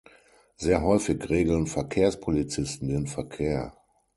Sehr häufig regeln Verkehrspolizisten den Verkehr.